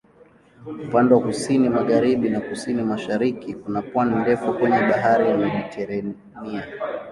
Upande wa kusini-magharibi na kusini-mashariki kuna pwani ndefu kwenye Bahari ya Mediteranea.